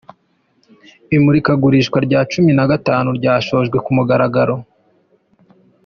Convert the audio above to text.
Imurika gurisha rya Cumi nagatanu ryashojwe ku mugaragaro